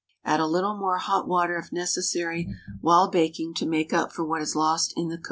Add a little more hot water if necessary while baking to make up for what is lost in the cooking.